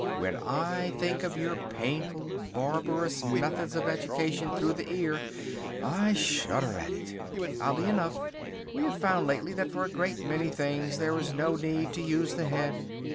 When I think of your painful, barbarous methods of education through the ear, I shudder at it. Oddly enough, we have found lately that for a great many things there is no need to use the head.